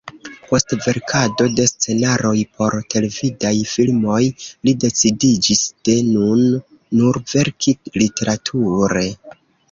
Post verkado de scenaroj por televidaj filmoj li decidiĝis de nun nur verki literature.